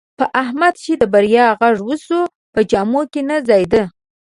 په احمد چې د بریا غږ وشو، په جامو کې نه ځایېدا.